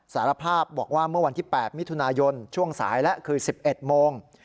สารภาพบอกว่าเมื่อวันที่๘มิถุนายนช่วงสายแล้วคือ๑๑โมง